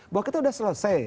bahwa kita sudah selesai